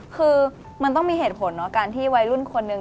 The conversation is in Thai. คือมันต้องมีเหตุผลเนาะการที่วัยรุ่นคนหนึ่ง